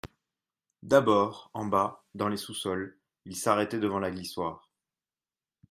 D'abord, en bas, dans les sous-sols, il s'arrêtait devant la glissoire.